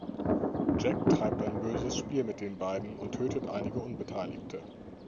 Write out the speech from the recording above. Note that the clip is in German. Jack treibt ein böses Spiel mit den Beiden und tötet einige Unbeteiligte.